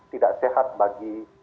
tidak sehat bagi